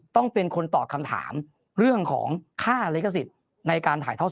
ต้องเป็นคนตอบคำถามเรื่องของค่าลิขสิทธิ์ในการถ่ายทอด